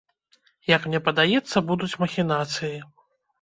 Як мне падаецца, будуць махінацыі.